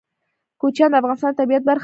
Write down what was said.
کوچیان د افغانستان د طبیعت برخه ده.